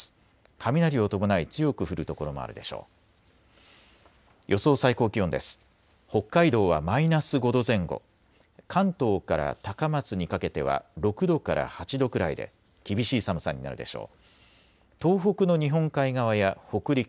雷を伴い強く降る所もあるでしょう。